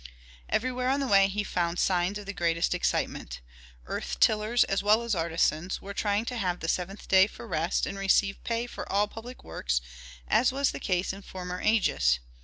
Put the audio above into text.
Everywhere on the way he found signs of the greatest excitement. Earth tillers, as well as artisans, were trying to have the seventh day for rest and receive pay for all public works, as was the case in former ages.